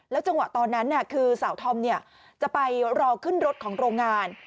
แล้วจังหวะตอนนั้นเนี่ยคือสาวท่อมเนี่ยจะไปรอขึ้นรถของโรงงาน